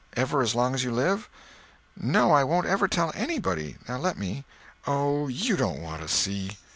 Ever, as long as you live?" "No, I won't ever tell _any_body. Now let me." "Oh, you don't want to see!"